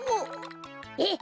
えっ？